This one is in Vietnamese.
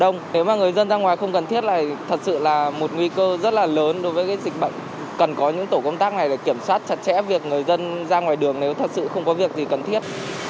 nếu mà người dân ra ngoài không cần thiết này thật sự là một nguy cơ rất là lớn đối với dịch bệnh cần có những tổ công tác này để kiểm soát chặt chẽ việc người dân ra ngoài đường nếu thật sự không có việc gì cần thiết